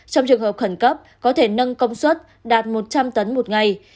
trong trường hợp khẩn cấp có thể nâng công suất đạt một trăm linh tấn một ngày